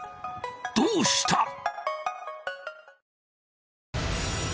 どうした！？